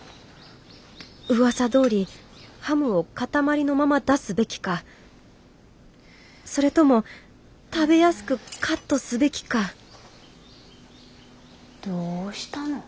うわさどおりハムを塊のまま出すべきかそれとも食べやすくカットすべきかどうしたの？